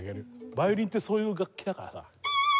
ヴァイオリンってそういう楽器だからさ。